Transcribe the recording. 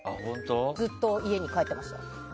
ずっと家に帰ってました。